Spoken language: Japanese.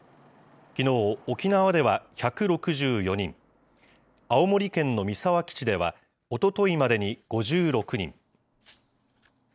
きのう、沖縄では１６４人、青森県の三沢基地では、おとといまでに５６人。